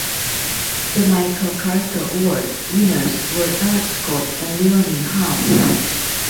The Michael Carter Award winners were Alex Scott and Leonie Harm.